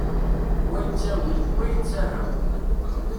Wa yettawi, wa yettarra.